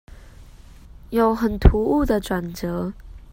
有很突兀的轉折